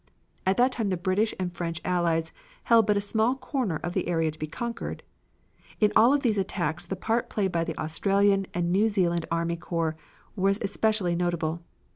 At that time the British and French allies held but a small corner of the area to be conquered. In all of these attacks the part played by the Australian and New Zealand army corps was especially notable.